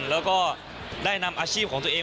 แล้วก็ได้นำอาชีพของตัวเอง